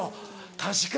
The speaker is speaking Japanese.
確かに。